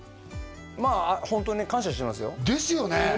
まあホントにね感謝してますよですよね